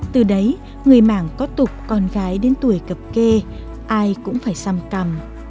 từ đấy người mảng có tục con gái đến tuổi cập kê ai cũng phải xăm cằm